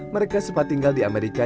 mereka sempat tinggal di amerika